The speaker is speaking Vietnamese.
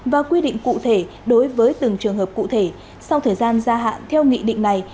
và quy định cụ thể đối với từng trường hợp cụ thể sau thời gian gia hạn theo nghị định này